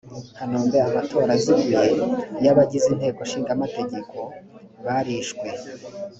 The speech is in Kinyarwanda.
kanombe amatora aziguye y abagize inteko ishinga amategeko barishwe